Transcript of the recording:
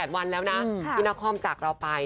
ก็๑๘วันแล้วนะไอ้นาคอมก็จากเราไปนะคะ